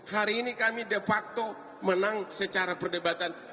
hari ini kami de facto menang secara perdebatan